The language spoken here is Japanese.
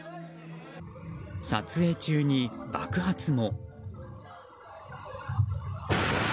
撮影中に爆発も。